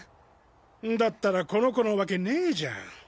だったらこの子のワケねじゃん。